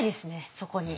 そこに。